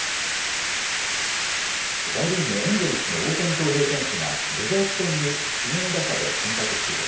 大リーグ、エンジェルスの大谷翔平選手がドジャース戦に指名打者で先発出場。